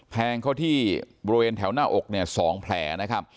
แพงที่บริเวณแถวหน้าอก๒แผล